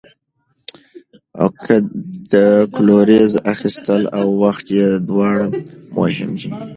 د کلوریز اخیستل او وخت یې دواړه مهم دي.